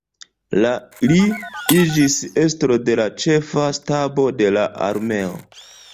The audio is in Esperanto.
La li iĝis estro de la ĉefa stabo de la armeo.